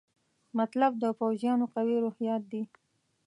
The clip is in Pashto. مطلب د پوځیانو قوي روحیات دي.